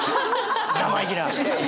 生意気な！